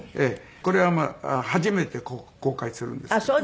これは初めて公開するんですけども。